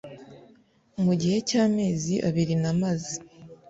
mu gihe cy'amezi abiri namaze